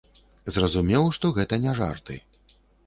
Зразумеў, што гэта не жарты.